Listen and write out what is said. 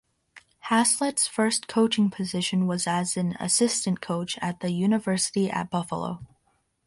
Haslett's first coaching position was as an assistant coach at the University at Buffalo.